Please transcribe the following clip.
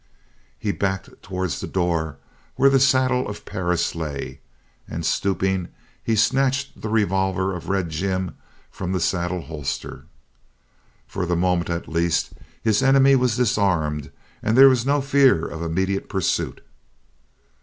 He backed towards the door where the saddle of Perris lay, and stooping, he snatched the revolver of Red Jim from the saddle holster. For the moment, at least, his enemy was disarmed and there was no fear of immediate pursuit.